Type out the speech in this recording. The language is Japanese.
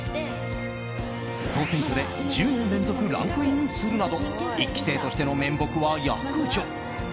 総選挙で１０年連続ランクインするなど１期生としての面目は躍如。